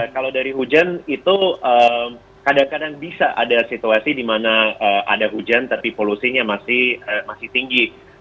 kalau dari hujan itu kadang kadang bisa ada situasi di mana ada hujan tapi polusinya masih tinggi